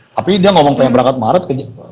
tapi dia ngomong pengen berangkat ke maret